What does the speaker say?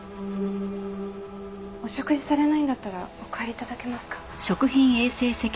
お食事されないんだったらお帰り頂けますか？